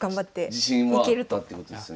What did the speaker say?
自信はあったってことですよね？